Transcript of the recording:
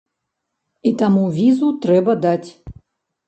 І таму візу трэба даць.